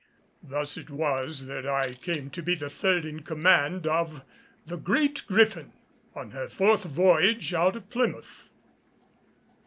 Thus it was that I came to be the third in command of the Great Griffin on her fourth voyage out of Plymouth.